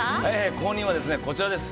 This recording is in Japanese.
後任はこちらです。